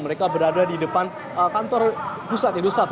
mereka berada di depan kantor pusat pusat